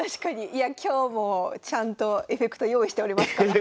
いや今日もちゃんとエフェクト用意しておりますから。